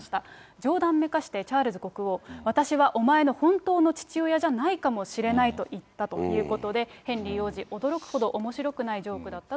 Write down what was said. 冗談めかしてチャールズ国王、私はお前の本当の父親じゃないかもしれないといったということで、ヘンリー王子、驚くほどおもしろくないジョークだったと。